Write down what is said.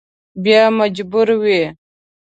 بیا مجبور وي.